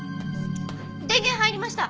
電源入りました！